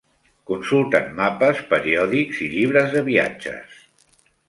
Consulten mapes, periòdics, llibres de viatges.